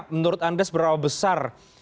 menurut anda seberapa besar